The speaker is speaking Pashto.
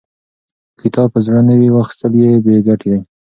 که کتاب په زړه نه وي، واخستل یې بې ګټې دی.